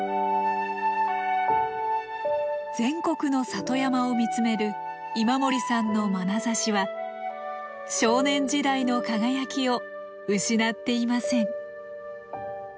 全国の里山を見つめる今森さんのまなざしは少年時代の輝きを失っていません。